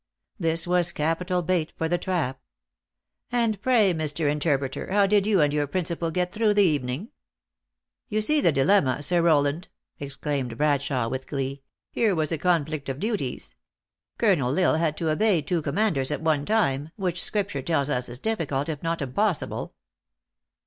This was capital bait for the trap. " And pray, Mr. Interpreter, how did you and your principal get through the evening?" u You see the dilemma, Sir Rowland," exclaimed Bradshawe, with srlee. " Here was a conflict of o duties. Colonel L Isle had to obey two commanders at one time, which Scripture tells us is difficult, if not impossible."